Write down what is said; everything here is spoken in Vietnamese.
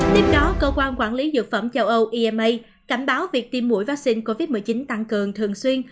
tiếp đó cơ quan quản lý dược phẩm châu âu ema cảnh báo việc tiêm mũi vaccine covid một mươi chín tăng cường thường xuyên